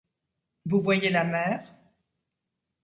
Vous voyez la mer ?